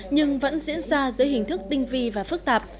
nhưng vẫn diễn ra dưới hình thức tinh vi và phức tạp